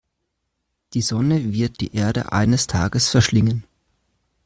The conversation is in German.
Die Sonne wird die Erde eines Tages verschlingen.